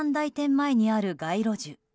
前にある街路樹。